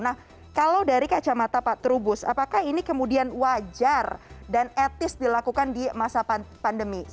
nah kalau dari kacamata pak trubus apakah ini kemudian wajar dan etis dilakukan di masa pandemi